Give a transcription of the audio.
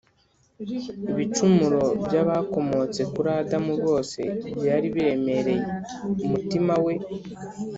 ibicumuro by’abakomotse kuri adamu bose, byari biremereye umutima we